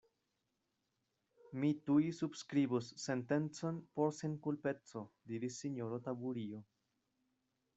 Mi tuj subskribos sentencon por senkulpeco, diris sinjoro Taburio.